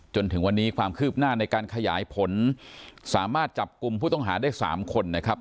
จนถึงวันนี้ความคืบหน้าในการขยายผลสามารถจับกลุ่มผู้ต้องหาได้๓คนนะครับ